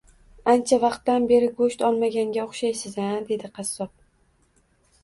Ancha vaqtdan beri go`sht olmaganga o`xshaysiz-a, dedi qassob